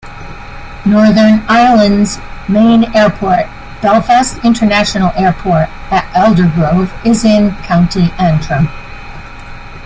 Northern Ireland's main airport, Belfast International Airport, at Aldergrove is in County Antrim.